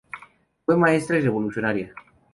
Fue maestra y revolucionaria.